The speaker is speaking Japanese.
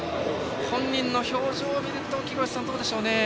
本人の表情を見ると木越さん、どうでしょうね。